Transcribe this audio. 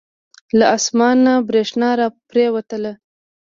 له اسمان نه بریښنا را پریوتله.